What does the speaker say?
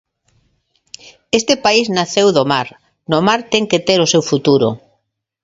Este país naceu do mar, no mar ten que ter o seu futuro.